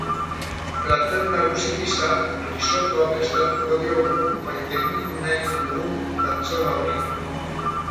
Plater nagusi gisa, risottoa prestatuko diogu maintemindu nahi dugun pertsona horri.